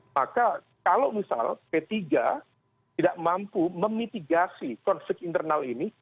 maka kalau misal p tiga tidak mampu memitigasi konflik internal ini